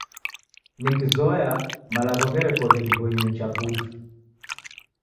Nikizoya malagho gherekoghe ghiboie nicha putu.